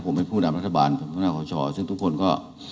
ผมเป็นผู้ดับรัฐบาลทางหน้าของชซึ่งทุกคนก็